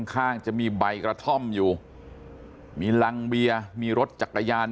ข้างจะมีใบกระท่อมอยู่มีรังเบียร์มีรถจักรยาน